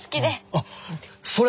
あっそれ